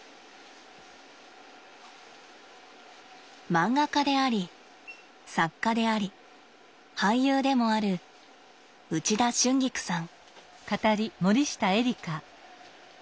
漫画家であり作家であり俳優でもある内田春菊さん。